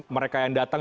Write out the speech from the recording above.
mereka yang datang